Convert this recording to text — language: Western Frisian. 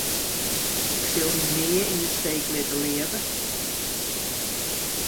Ik sil dy nea yn 'e steek litte, leave.